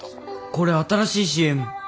これ新しいＣＭ？